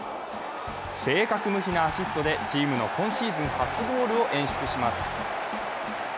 正確無比なアシストでチームの今シーズン初ゴールを演出します。